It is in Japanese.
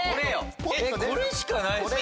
「これしかない」っすか？